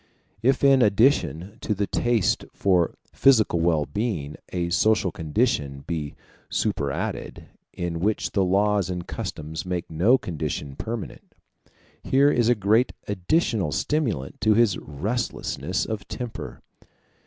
If in addition to the taste for physical well being a social condition be superadded, in which the laws and customs make no condition permanent, here is a great additional stimulant to this restlessness of temper.